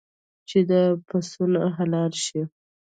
چې دا پسونه حلال شي.